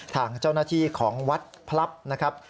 ทางเจ้าหน้าที่ของวัดพลับนะครับ